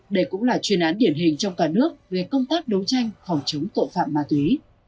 đây cũng là chuyên án điển hình trong cả nước về công tác đấu tranh phòng chống tội phạm ma túy